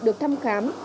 được thăm khám